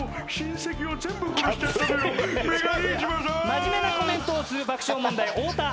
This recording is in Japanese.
マジメなコメントをする爆笑問題太田。